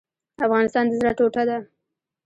افغانستان د زړه ټوټه ده